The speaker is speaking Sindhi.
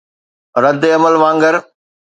رد عمل وانگر